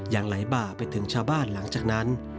ยังไหลบ่าไปถึงชาวบ้านหลังจากนั้น